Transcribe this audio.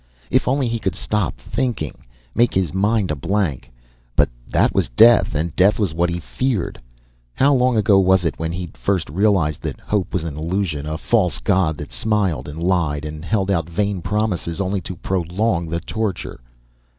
If only he could stop thinking. Make his mind a blank. But that was death, and death was what he feared. How long ago was it when he'd first realized that hope was an illusion, a false god that smiled and lied, and held out vain promises only to prolong the torture?